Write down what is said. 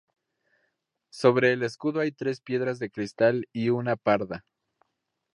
Sobre el escudo hay tres piedras de cristal y una parda.